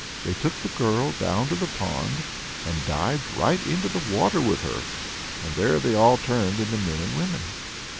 They took the girl down to the pond, and dived right into the water with her. And there they all turned into men and women.